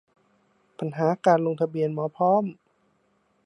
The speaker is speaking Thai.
ปัญหาการลงทะเบียนหมอพร้อม